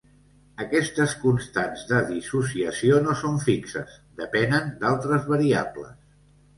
Aquestes constants de dissociació no són fixes, depenen d'altres variables.